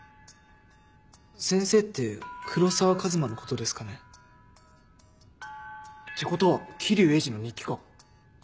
先生って黒沢和馬のことですかね？ってことは霧生鋭治の日記か！